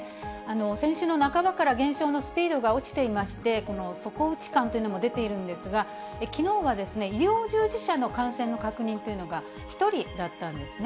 先週の半ばから減少のスピードが落ちていまして、底打ち感というのも出ているんですが、きのうは医療従事者の感染の確認というのが１人だったんですね。